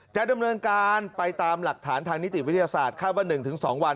จะดำเนินการไปตามหลักฐานทางนิติวิทยาศาสตร์คาดว่า๑๒วัน